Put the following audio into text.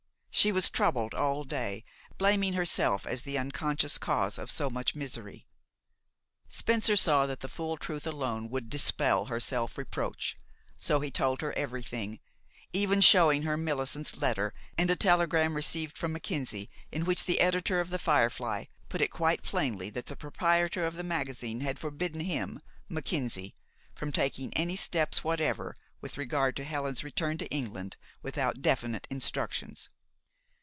She was troubled all day, blaming herself as the unconscious cause of so much misery. Spencer saw that the full truth alone would dispel her self reproach. So he told her everything, even showing her Millicent's letter and a telegram received from Mackenzie, in which the editor of "The Firefly" put it quite plainly that the proprietor of the magazine had forbidden him (Mackenzie) from taking any steps whatever with regard to Helen's return to England without definite instructions.